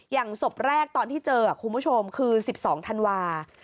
ศพแรกตอนที่เจอคุณผู้ชมคือ๑๒ธันวาคม